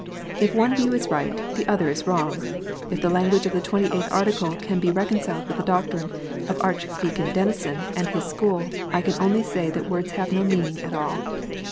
If one view is right, the other is wrong. If the language of the Twenty eighth Article can be reconciled with the doctrine of Archdeacon Denison and his school, I can only say that words have no meaning at all.